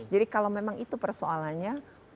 jadi kalau memang itu persoalannya